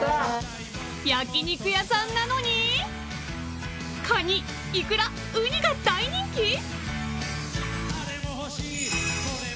［焼き肉屋さんなのにカニイクラウニが大人気？］